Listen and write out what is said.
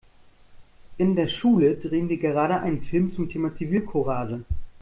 In der Schule drehen wir gerade einen Film zum Thema Zivilcourage.